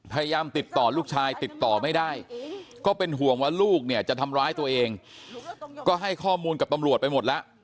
พยายามติดต่อลูกชายติดต่อไม่ได้ก็เป็นห่วงว่าลูกเนี่ยจะทำร้ายตัวเองก็ให้ข้อมูลกับตำรวจไปหมดแล้ว